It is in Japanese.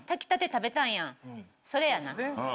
それやな。